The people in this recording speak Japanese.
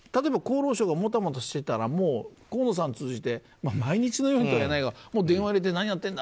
もたもたしてたら河野さんを通じて毎日のようにとは言わないけど電話を入れて何やってんだ！